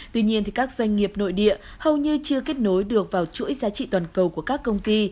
tuy nhiên các doanh nghiệp nội địa hầu như chưa kết nối được vào chuỗi giá trị toàn cầu của các công ty